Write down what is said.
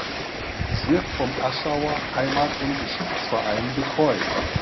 Es wird vom Aschauer Heimat- und Geschichtsverein betreut.